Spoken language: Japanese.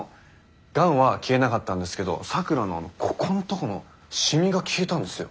がんは消えなかったんですけど咲良のここのとこのシミが消えたんですよ。